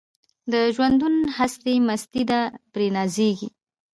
د ژوندون هستي مستي ده پرې نازیږي